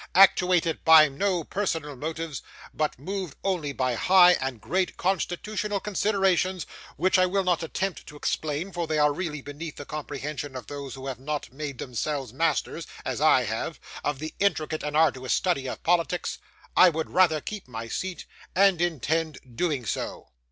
Actuated by no personal motives, but moved only by high and great constitutional considerations; which I will not attempt to explain, for they are really beneath the comprehension of those who have not made themselves masters, as I have, of the intricate and arduous study of politics; I would rather keep my seat, and intend doing so.